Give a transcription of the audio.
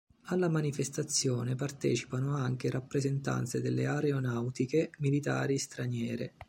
Alla manifestazione partecipano anche rappresentanze delle aeronautiche militari straniere.